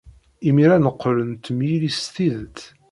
Imir-a, neqqel nettemyili s tidet.